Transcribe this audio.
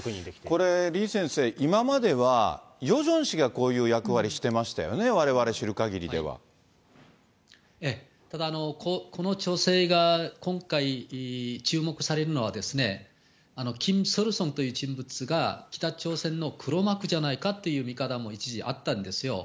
これ、李先生、今まではヨジョン氏がこういう役割していましたよね、われわれ知ただこの調整が、今回注目されるのは、キム・ソルソンという人物が、北朝鮮の黒幕じゃないかという見方も一時、あったんですよ。